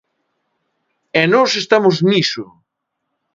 E nós estamos niso.